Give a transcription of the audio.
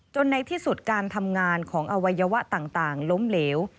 ในที่สุดการทำงานของอวัยวะต่างล้มเหลว